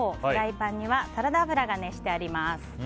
フライパンにサラダ油が熱してあります。